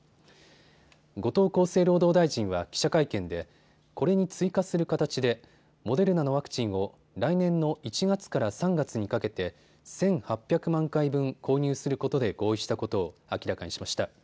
後藤厚生労働大臣は記者会見でこれに追加する形でモデルナのワクチンを来年の１月から３月にかけて１８００万回分購入することで合意したことを明らかにしました。